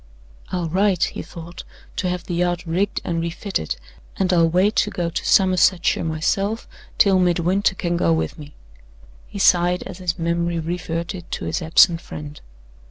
"I'll write," he thought, "to have the yacht rigged and refitted, and I'll wait to go to Somersetshire myself till Midwinter can go with me." He sighed as his memory reverted to his absent friend.